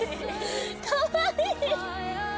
かわいい。